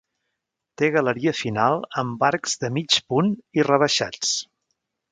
Té galeria final amb arcs de mig punt i rebaixats.